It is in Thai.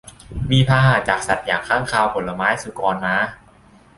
มีพาหะจากสัตว์อย่างค้างคาวผลไม้ สุกร ม้า